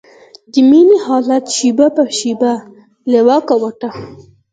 د مينې حالت شېبه په شېبه له واکه وته.